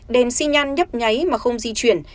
đèn xi nhan nhấp nháy mà không di chuyển